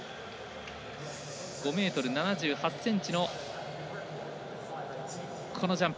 ５ｍ７８ｃｍのジャンプ。